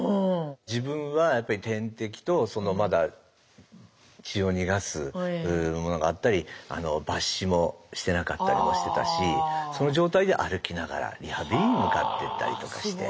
自分は点滴とまだ血を逃がすものがあったり抜糸もしてなかったりもしてたしその状態で歩きながらリハビリに向かっていったりとかして。